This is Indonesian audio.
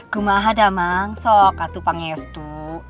guma hada mangso katu pangestu